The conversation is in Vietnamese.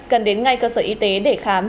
cần đến ngay cơ sở y tế để khám